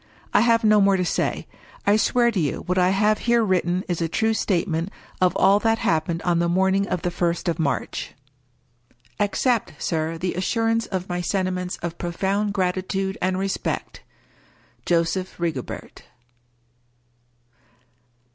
I have no more to say. I swear to you what I have here written is a true statement of all that happened on the morning of the first of March. Accept, sir, the assurance of my sentiments of profound gratitude and respect. Joseph Rigobert.